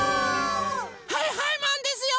はいはいマンですよ！